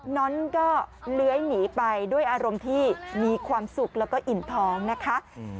น้อนก็เลื้อยหนีไปด้วยอารมณ์ที่มีความสุขแล้วก็อิ่มท้องนะคะ